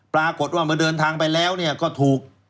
ปรากฏว่าเมื่อเดินทางไปแล้วก็ถูก